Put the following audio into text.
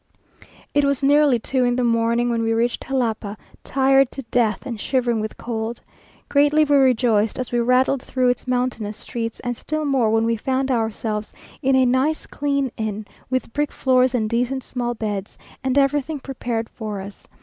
It was nearly two in the morning when we reached Jalapa, tired to death, and shivering with cold. Greatly we rejoiced as we rattled through its mountainous streets, and still more when we found ourselves in a nice clean inn, with brick floors and decent small beds, and everything prepared for us.